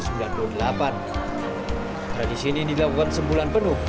wihara di sini dilakukan sebulan penuh